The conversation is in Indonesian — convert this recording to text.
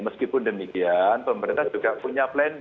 meskipun demikian pemerintah juga punya plan b